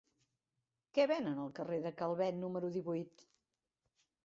Què venen al carrer de Calvet número divuit?